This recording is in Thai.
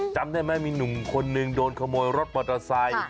จำได้ไหมมีหนุ่มคนนึงโดนขโมยรถมอเตอร์ไซค์